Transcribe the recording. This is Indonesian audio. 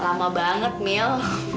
lama banget mil